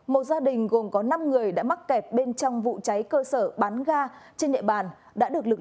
một gia đình gồm có năm người đã mắc kẹt bên trong vụ cháy cơ sở bán ga trên địa bàn đã được lực lượng